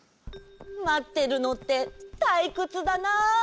まってるのってたいくつだな。